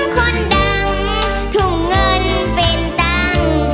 คนดังทุ่มเงินเป็นตังค์